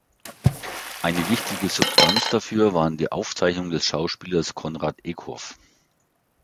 Eine wichtige Substanz dafür waren die Aufzeichnungen des Schauspielers Konrad Ekhof.